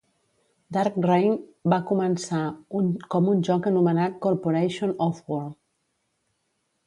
"Dark Reign" va començar com un joc anomenat "Corporation: Offworld".